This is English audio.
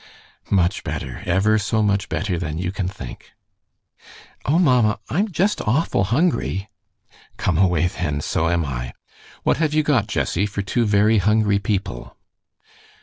"Much better, ever so much better than you can think." "Oh, mamma, I'm just awful hungry!" "Come away, then; so am I. What have you got, Jessie, for two very hungry people?"